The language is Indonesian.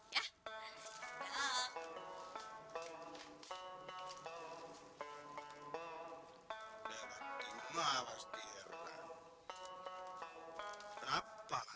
tapi mau jual sapi